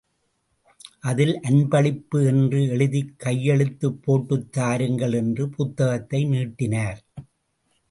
அதில் அன்பளிப்பு என்று எழுதிக் கையெழுத்துப் போட்டுத் தாருங்கள், என்று புத்தகத்தை நீட்டினார்.